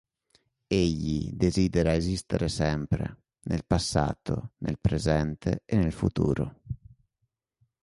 Egli desidera esistere sempre, nel passato, nel presente e nel futuro.